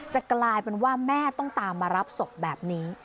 จะกลายเป็นว่าแม่ต้องตามมารับศพแบบนี้